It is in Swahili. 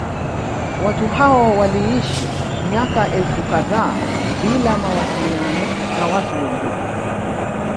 Watu hao waliishi miaka elfu kadhaa bila mawasiliano na watu wengine